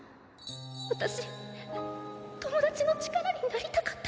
私友達の力になりたかった。